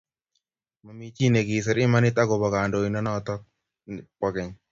Mamii chii nekisir imanit akobo kandoindonoto bo keny